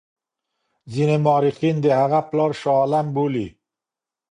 ځیني مورخین د هغه پلار شاه عالم بولي.